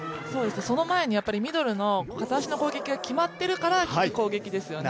その前にミドルの片足の攻撃が決まってるからの攻撃ですよね。